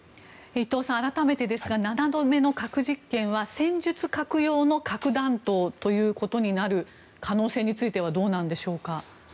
伊藤さん、改めてですが７度目の核実験は戦術核用の核弾頭となることの可能性についてはどうなんでしょうか。